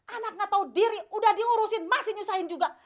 anak tidak tahu diri sudah diurusin masih menyusahkan juga